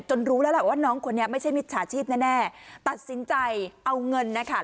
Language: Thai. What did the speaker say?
รู้แล้วแหละว่าน้องคนนี้ไม่ใช่มิจฉาชีพแน่ตัดสินใจเอาเงินนะคะ